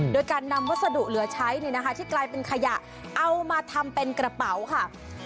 โดยการนำวัสดุเหลือใช้ที่กลายเป็นขยะเอามาทำเป็นกระเป๋าค่ะ